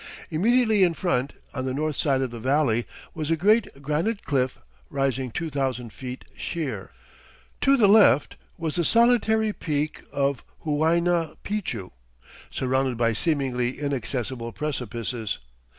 Immediately in front, on the north side of the valley, was a great granite cliff rising 2000 feet sheer. To the left was the solitary peak of Huayna Picchu, surrounded by seemingly inaccessible precipices.